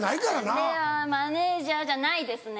あれはマネジャーじゃないですね